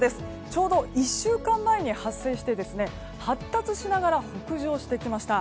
ちょうど１週間前に発生して発達しながら北上してきました。